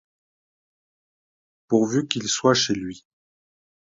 Pourvu qu'il soit chez lui!